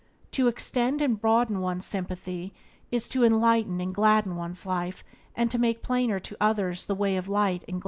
To extend and broaden one's sympathy is to enlighten and gladden one's life and to make plainer to others the way of light and gladness.